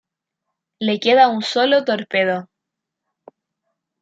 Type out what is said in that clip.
Le queda un solo torpedo.